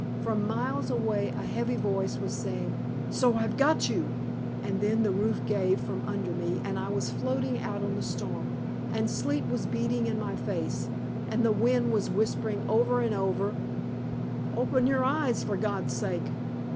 From miles away a heavy voice was saying, "So I've got you!" and then the roof gave from under me, and I was floating out on the storm, and sleet was beating in my face, and the wind was whispering over and over, "Open your eyes, for God's sake!"